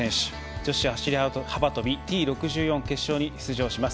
女子走り幅跳びＴ６４決勝に出場します。